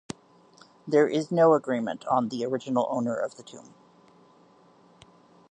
There is no agreement on the original owner of the tomb.